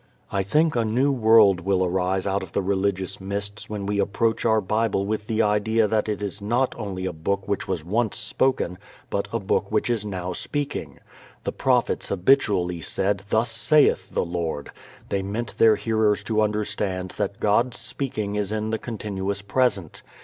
I think a new world will arise out of the religious mists when we approach our Bible with the idea that it is not only a book which was once spoken, but a book which is now speaking. The prophets habitually said, "Thus saith the Lord." They meant their hearers to understand that God's speaking is in the continuous present.